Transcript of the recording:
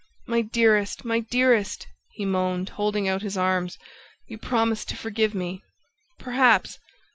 "My dearest! My dearest!" he moaned, holding out his arms. "You promised to forgive me ..." "Perhaps!